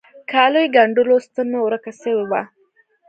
کاليو ګنډلو ستن مي ورکه سوي وه.